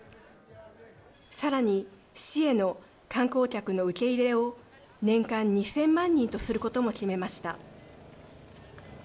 さらに、市への観光客の受け入れを年間２０００万人とすることも決めました。